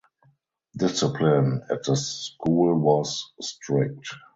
Discipline at the school was strict.